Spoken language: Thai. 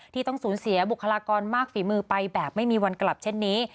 ที่ต้องสูญเสียบุคลากรมากฝีมือไปแบบไม่มีวันกลับเช่นนี้